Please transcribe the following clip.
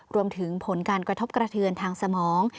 รวมถึงผลการกระทบกระเทือนทางสมอง